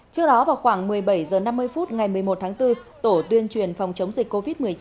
trước đó vào khoảng một mươi bảy h năm mươi phút ngày một mươi một tháng bốn tổ tuyên truyền phòng chống dịch covid một mươi chín